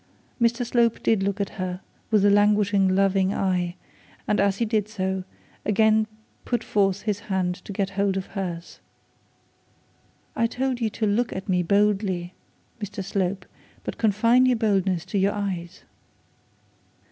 Mr Slope did look at her with a languishing loving eye, and as he did so, he again put forth his hand to get hold of hers. 'I told you to look at me boldly, Mr Slope; but confine your boldness to your eyes.'